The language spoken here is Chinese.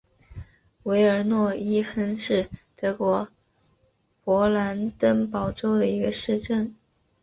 韦尔诺伊亨是德国勃兰登堡州的一个市镇。